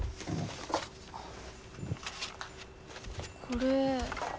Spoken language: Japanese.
これ。